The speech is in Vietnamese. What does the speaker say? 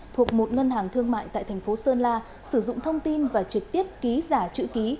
thuộc một ngân hàng thương mại tại thành phố sơn la sử dụng thông tin và trực tiếp ký giả chữ ký